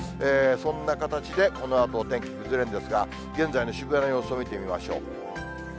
そんな形で、このあとお天気崩れるんですが、現在の渋谷の様子を見てみましょう。